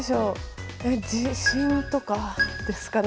地震とかですかね？